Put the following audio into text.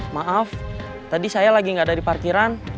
maaf tadi saya lagi nggak ada di parkiran